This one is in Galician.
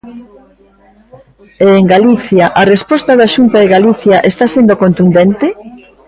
E en Galiza, ¿a resposta da Xunta de Galicia está sendo contundente?